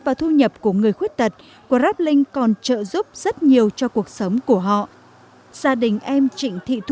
bình quân thu nhập của mỗi người khoảng hai triệu đồng trên tháng